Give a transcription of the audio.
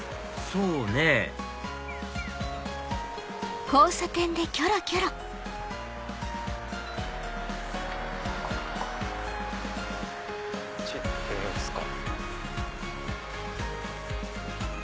そうねあっち行ってみますか。